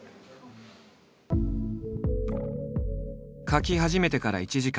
描き始めてから１時間。